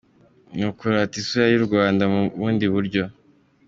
Ni ukurata isura y’u Rwanda mu bundi buryo.